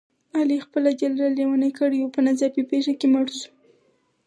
علي خپل اجل را لېونی کړی و، په ناڅاپي پېښه کې مړ شو.